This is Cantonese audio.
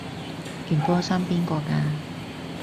件波衫邊個㗎？